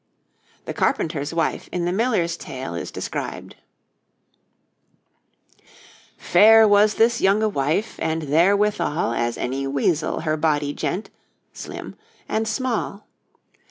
The Carpenter's wife in the Miller's Tale is described: 'Fair was this yonge wyf, and ther with al As any wesele hir body gent (slim) and small.